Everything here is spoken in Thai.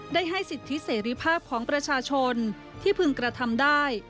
ได้ให้สิทธิเสรีภาพของประชาชนที่พึงกระทำได้